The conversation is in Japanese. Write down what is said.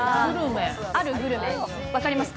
あるグルメ、分かりますか？